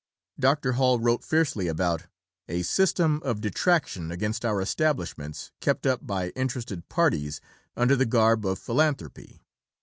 " Dr. Hall wrote fiercely about "a system of detraction against our establishments kept up by interested parties under the garb of philanthropy."